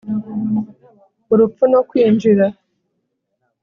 Urupfu no kwinjira